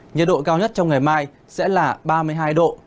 nhiệt độ cao nhất trong ngày mai sẽ là ba mươi hai độ